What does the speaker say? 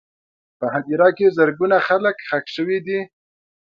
په هدیره کې زرګونه خلک ښخ شوي دي.